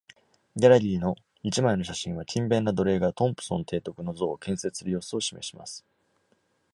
ギャラリーの一枚の写真は、勤勉な奴隷がトンプソン提督の像を建設する様子を示します。